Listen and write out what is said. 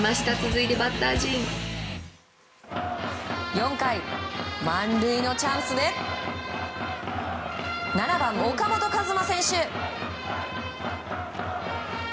４回、満塁のチャンスで７番、岡本和真選手。